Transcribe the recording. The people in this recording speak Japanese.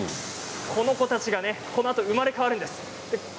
この子たちがこのあと生まれ変わるんです。